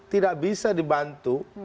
tidak bisa dibantu